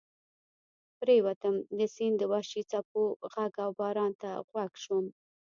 پرېوتم، د سیند د وحشي څپو غږ او باران ته غوږ شوم.